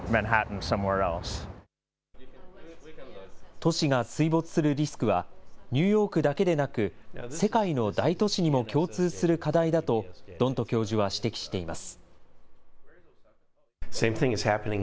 都市が水没するリスクは、ニューヨークだけでなく、世界の大都市にも共通する課題だとドント教授は指摘しています。